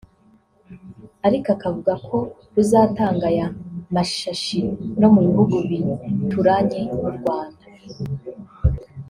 ariko akavuga ko ruzatanga aya mashashi no mu bihugu bituranye n’u Rwanda